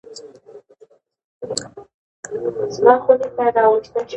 که ښځې خوشحاله وي نو کور خوشحالیږي.